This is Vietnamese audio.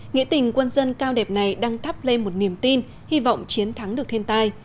nghĩa tình quân dân cao đẹp này đang thắp lên một niềm tin hy vọng chiến thắng được thiên tai